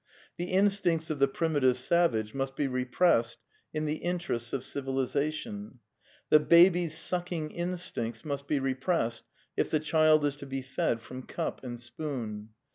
The instincts of the primitive savage must be repressed in the interests of civilization. The f baby's sucking instincts must be repressed if the child is to be fed from cup and spoon.